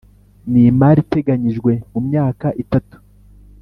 n imari iteganyijwe mu myaka itatu